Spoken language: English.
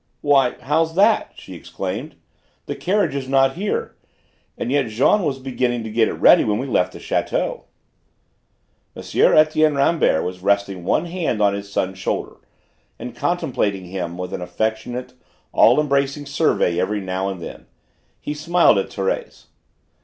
"Why, how's that?" she exclaimed; "the carriage is not here. And yet Jean was beginning to get it ready when we left the château." M. Etienne Rambert was resting one hand on his son's shoulder, and contemplating him with an affectionate, all embracing survey every now and then. He smiled at Thérèse.